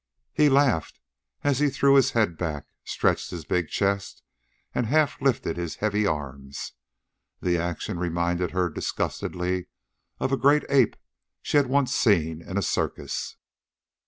He laughed as he threw his head back, stretched his big chest, and half lifted his heavy arms. The action reminded her disgustingly of a great ape she had once seen in a circus.